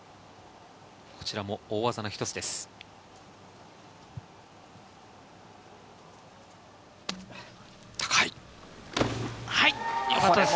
こちらも大技の一つです。